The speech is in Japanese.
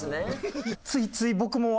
ついつい僕も。